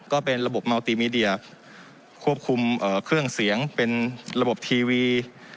ก็เป็นระบบเมาตีมีเดียควบคุมเครื่องเสียงเป็นระบบทีวี